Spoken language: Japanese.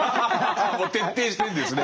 もう徹底してるんですね。